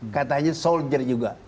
katanya soldier juga